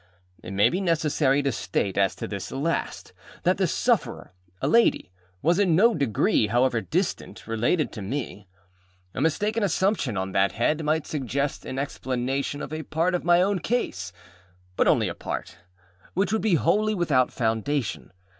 It may be necessary to state as to this last, that the sufferer (a lady) was in no degree, however distant, related to me. A mistaken assumption on that head might suggest an explanation of a part of my own case, âbut only a part, âwhich would be wholly without foundation.